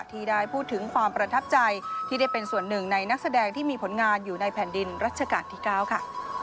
ที่ได้พูดถึงความประทับใจที่ได้เป็นส่วนหนึ่งในนักแสดงที่มีผลงานอยู่ในแผ่นดินรัชกาลที่๙ค่ะ